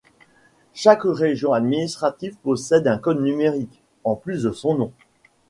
Chaque région administrative possède un code numérique, en plus de son nom.